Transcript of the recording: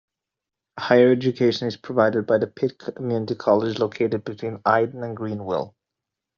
Higher education is provided by Pitt Community College, located between Ayden and Greenville.